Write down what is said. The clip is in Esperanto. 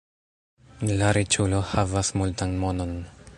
La riĉulo havas multan monon.